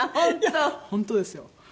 いや本当ですよ。